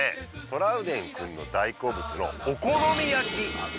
トラウデンくんの大好物のお好み焼き